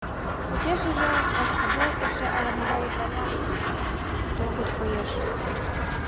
Почешыже, вашкыде, эше ала-могай ӱдрамаш толгыч коеш.